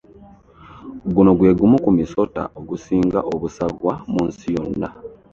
Guno gwe gumu ku misoto agisinga okusagwa mu nsi yonna.